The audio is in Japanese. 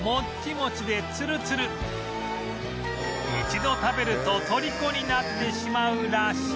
一度食べるととりこになってしまうらしい